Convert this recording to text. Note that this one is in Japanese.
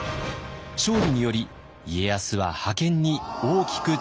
勝利により家康は覇権に大きく近づきます。